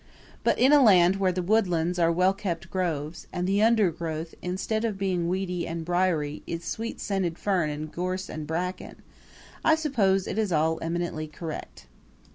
But in a land where the woodlands are well kept groves, and the undergrowth, instead of being weedy and briery, is sweet scented fern and gorse and bracken, I suppose it is all eminently correct.